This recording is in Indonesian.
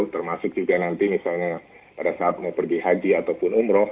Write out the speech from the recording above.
termasuk juga nanti misalnya pada saat mau pergi haji ataupun umroh